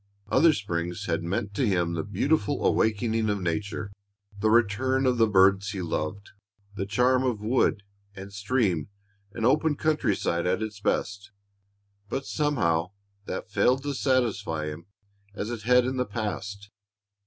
Other springs had meant to him the beautiful awakening of nature, the return of the birds he loved, the charm of wood and stream and open country side at its best. But somehow that failed to satisfy him as it had in the past.